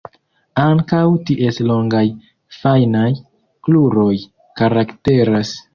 Ankaŭ ties longaj fajnaj kruroj karakteras.